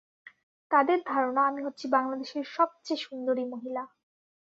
তাদের ধারণা, আমি হচ্ছি বাংলাদেশের সবচেয়ে সুন্দরী মহিলা।